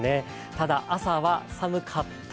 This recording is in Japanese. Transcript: ただ、朝は寒かった。